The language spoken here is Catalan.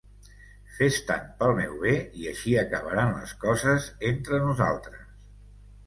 Fes tant pel meu bé, i així acabaran les coses entre nosaltres!